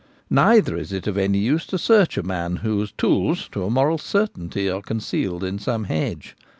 Neither is it of any use to search a man whose tools, to a moral certainty, are concealed in some hedge.